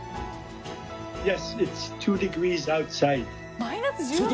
マイナス１６度！？